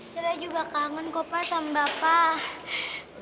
sela juga kangen kopa sama bapak